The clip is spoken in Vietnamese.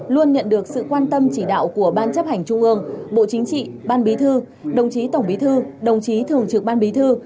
luôn nhận được sự quan tâm chỉ đạo của ban chấp hành trung ương bộ chính trị ban bí thư đồng chí tổng bí thư đồng chí thường trực ban bí thư